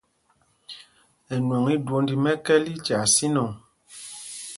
Ɛnwɔŋ íjwónd í mɛ̄kɛ̄l í tyaa sínɔŋ.